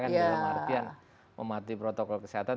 dalam artian mematuhi protokol kesehatan